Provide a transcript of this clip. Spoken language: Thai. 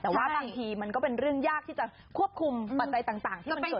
แต่ว่าบางทีมันก็เป็นเรื่องยากที่จะควบคุมปัจจัยต่างที่มันเกิด